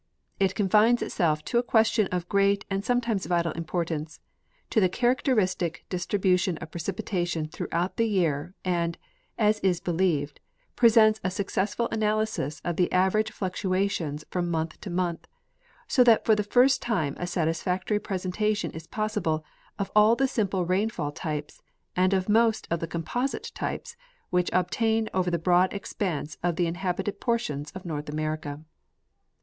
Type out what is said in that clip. It confines itself to a question of great and sometimes vital importance, to the characteristic distribution of 13recipitation throughout the year, and, as is believed, presents a successful analysis of the average fluctuations from month to month, so that for the first time a satisfactory presentation is possible of all the simj^le rainfall types and of most of the composite tyjDes which obtain over the broad expanse of the inhabited portions of North America.